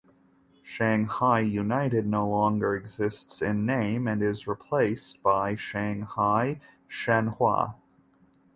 Shanghai United no longer exists in name and is replaced by Shanghai Shenhua.